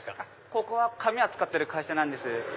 ここは紙扱ってる会社なんです。